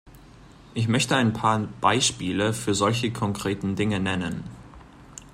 Ich möchte ein paar Beispiele für solche konkreten Dinge nennen.